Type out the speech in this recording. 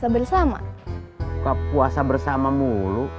buka puasa bersama mulu